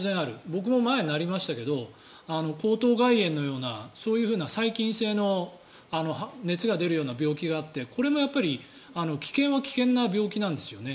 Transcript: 僕も前、なりましたけど喉頭蓋炎のようなそういう細菌性の熱が出るような病気があってこれはこれで危険な病気なんですよね。